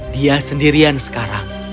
dia sendirian sekarang